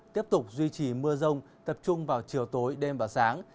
tiếp tục duy trì mưa rông tập trung vào chiều tối đêm và sáng